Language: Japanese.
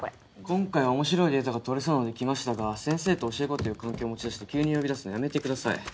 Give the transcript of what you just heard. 今回は面白いデータが取れそうなので来ましたが先生と教え子という関係を持ち出して急に呼び出すのやめてください。